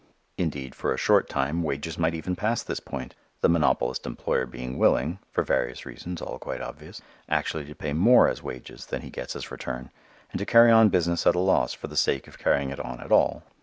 Indeed for a short time wages might even pass this point, the monopolist employer being willing (for various reasons, all quite obvious) actually to pay more as wages than he gets as return and to carry on business at a loss for the sake of carrying it on at all.